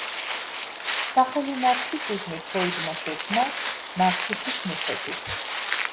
სახელი „ნარცისიზმი“ ფროიდმა შექმნა ნარცისის მიხედვით.